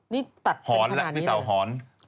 นี่ตัดเป็นขนาดนี้หรอหอนแล้วพี่สาวหอน